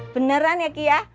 beneran ya ki ya